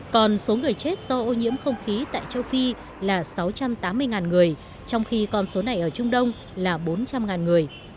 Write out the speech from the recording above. còn số người chết do ô nhiễm không khí tại châu phi là sáu trăm tám mươi người trong khi con số này ở trung đông là bốn trăm linh người